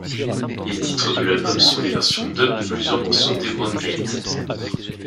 Les titres de l'album sont les versions dub de plusieurs morceaux d'Hebron Gate.